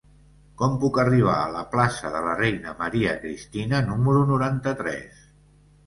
Com puc arribar a la plaça de la Reina Maria Cristina número noranta-tres?